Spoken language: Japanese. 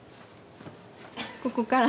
ここから。